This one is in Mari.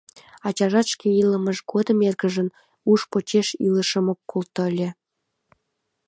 Ачажат шке илымыж годым эргыжын уш почеш илышым ок колто ыле.